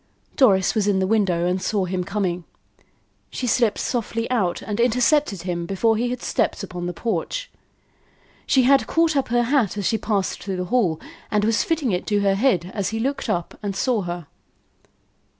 Doris was in the window and saw him coming. She slipped softly out and intercepted him before he had stepped upon the porch. She had caught up her hat as she passed through the hall, and was fitting it to her head as he looked up and saw her.